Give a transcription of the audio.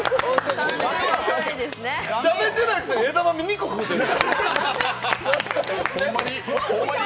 しゃべってないくせに枝豆２個食うてる。